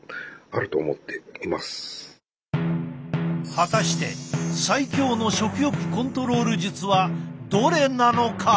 果たして最強の食欲コントロール術はどれなのか？